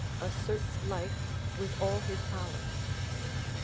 _, asserts life with all his power.